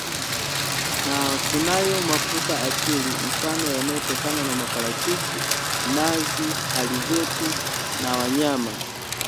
Na kunayo mafuta asili mfano yanayotokana na maparachichi, nazi, halizeti na wanyama